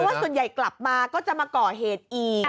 ว่าส่วนใหญ่กลับมาก็จะมาก่อเหตุอีก